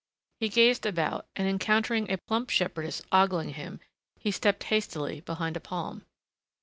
He gazed about, and encountering a plump shepherdess ogling him he stepped hastily behind a palm.